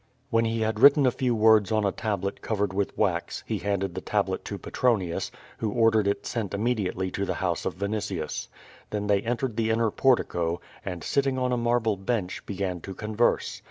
Wlien he had written a few words on a tablet covered with wax, he handed the tablet to Petronius, who ordered it sent immediately to the house of Vinitius. Then they entered tlie inner portico, and sitting on a marble bench, began to con verse.